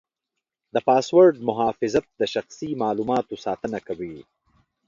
د پاسورډ محافظت د شخصي معلوماتو ساتنه کوي.